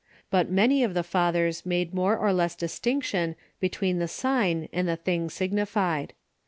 But many of the Fathers made more or less distinction between the sign and the thing signified.